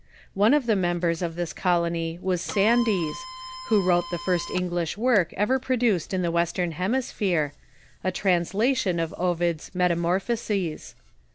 One of the members of this colony was Sandys, who wrote the first English work ever produced in the western hemisphei'e — a translation of Ovid's "Metamorphoses."